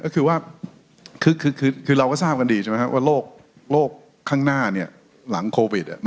คือเราก็ทราบกันดีว่าโลกข้างหน้าหลังโควิด